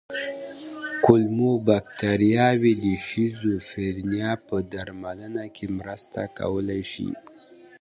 کولمو بکتریاوې د شیزوفرینیا په درملنه کې مرسته کولی شي.